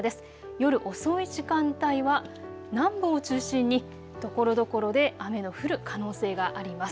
夜遅い時間帯は南部を中心にところどころで雨の降る可能性があります。